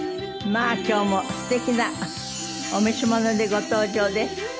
まあ今日も素敵なお召し物でご登場です。